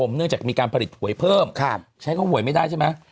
เนื่องจากมีการผลิตหวยเพิ่มใช้ข้อหวยไม่ได้ใช่ไหม